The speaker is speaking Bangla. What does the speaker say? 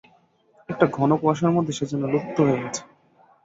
একটা ঘন কুয়াশার মধ্যে সে যেন লুপ্ত হয়ে গেছে।